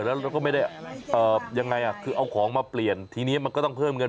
แล้วก็ไม่ได้ยังไงคือเอาของมาเปลี่ยนทีนี้มันก็ต้องเพิ่มเงิน